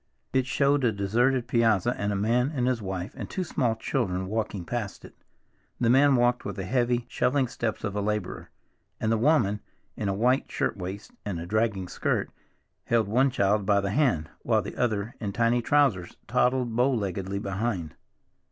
It showed a deserted piazza, and a man and his wife and two small children walking past it. The man walked with the heavy, shuffling steps of a laborer, and the woman, in a white shirt waist and a dragging skirt, held one child by the hand, while the other, in tiny trousers, toddled bow leggedly behind.